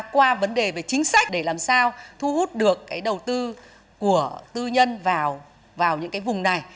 qua vấn đề về chính sách để làm sao thu hút được cái đầu tư của tư nhân vào những cái vùng này